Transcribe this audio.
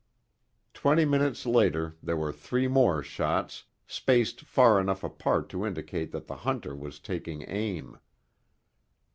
Twenty minutes later there were three more shots spaced far enough apart to indicate that the hunter was taking aim.